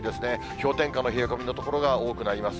氷点下の冷え込みの所が多くなります。